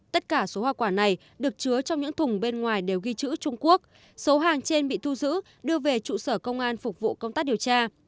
tất cả số hoa quả này được chứa trong những thùng bên ngoài đều ghi chữ trung quốc số hàng trên bị thu giữ đưa về trụ sở công an phục vụ công tác điều tra